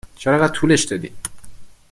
چرا اینقدر طولش دادی ؟